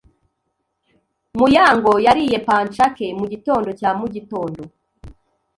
Muyango yariye pancake mugitondo cya mugitondo.